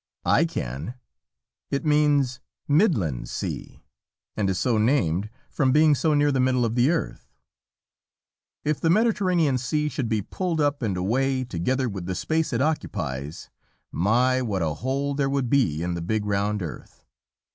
I can! It means "Midland Sea," and is so named from being so near the middle of the earth. If the Mediterranean Sea should be pulled up and away, together with the space it occupies, my! what a hole there would be in the big round earth!